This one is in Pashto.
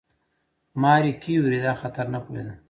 ماري کیوري دا خطر نه پوهېده.